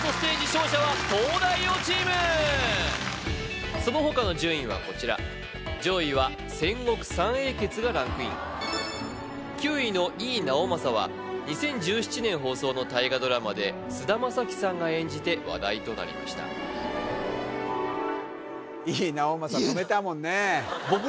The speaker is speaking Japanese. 勝者は東大王チームその他の順位はこちら上位は戦国三英傑がランクイン９位の井伊直政は２０１７年放送の大河ドラマで菅田将暉さんが演じて話題となりました井伊直政止めたもんね